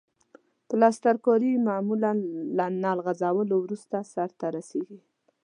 پلسترکاري معمولاً له نل غځولو وروسته سرته رسیږي.